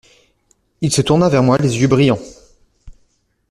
Il se tourna vers moi, les yeux brillants.